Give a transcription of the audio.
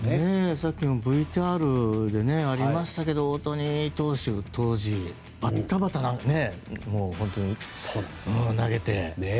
さっきのＶＴＲでありましたけど大谷投手、当時バタバタ投げて。